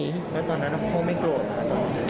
แล้วตอนนั้นพ่อไม่โกรธ